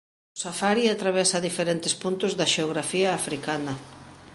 O Safari atravesa diferentes puntos da xeografía africana.